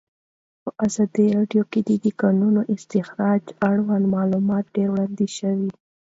په ازادي راډیو کې د د کانونو استخراج اړوند معلومات ډېر وړاندې شوي.